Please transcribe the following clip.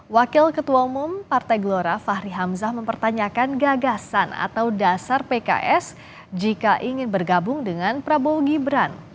wakil ketua umum partai gelora fahri hamzah mempertanyakan gagasan atau dasar pks jika ingin bergabung dengan prabowo gibran